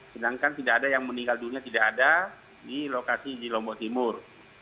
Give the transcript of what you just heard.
sedangkan tidak ada yang meninggal dunia tidak ada di lokasi di lombok timur